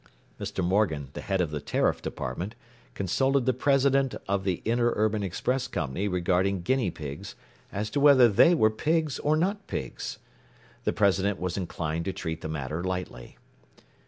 ” Mr. Morgan, the head of the Tariff Department, consulted the president of the Interurban Express Company regarding guinea pigs, as to whether they were pigs or not pigs. The president was inclined to treat the matter lightly.